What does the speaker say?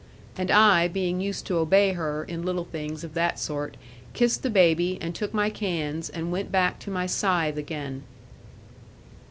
And I, being used to obey her, in little things of that sort, kissed the baby, and took my cans, and went back to my scythe again.